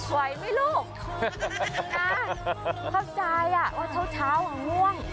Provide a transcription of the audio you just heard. ไหวมั้ยลูกขอบใจอ่ะเช้าห่าง่วง